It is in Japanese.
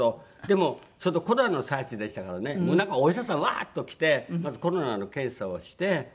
でもちょうどコロナの最中でしたからねなんかお医者さんわーっと来てまずコロナの検査をして。